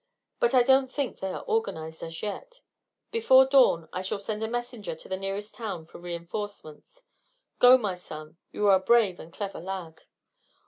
But I don't think they are organised as yet. Before dawn I shall send a messenger to the nearest town for reinforcements. Go, my son. You are a brave and clever lad."